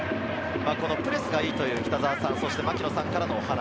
プレスがいいという北澤さん、槙野さんからのお話。